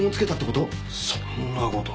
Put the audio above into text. そんなこと。